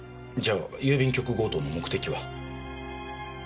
じゃあ郵便局強盗の目的は？